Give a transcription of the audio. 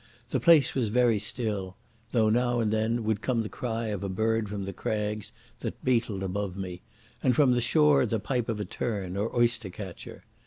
The place was very still, though now and then would come the cry of a bird from the crags that beetled above me, and from the shore the pipe of a tern or oyster catcher.